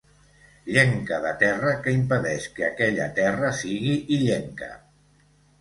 Llenca de terra que impedeix que aquella terra sigui illenca.